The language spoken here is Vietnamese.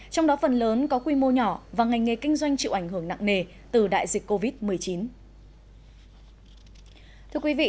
trong đó phần lớn có quy mô nhỏ và ngành nghề kinh doanh chịu ảnh hưởng nặng nề từ đại dịch covid một mươi chín